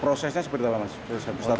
prosesnya seperti apa